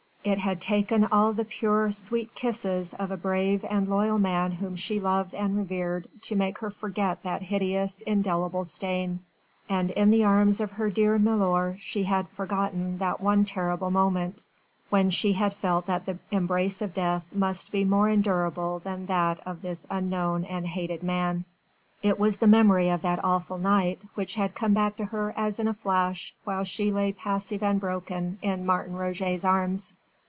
It had taken all the pure, sweet kisses of a brave and loyal man whom she loved and revered, to make her forget that hideous, indelible stain: and in the arms of her dear milor she had forgotten that one terrible moment, when she had felt that the embrace of death must be more endurable than that of this unknown and hated man. It was the memory of that awful night which had come back to her as in a flash while she lay passive and broken in Martin Roget's arms.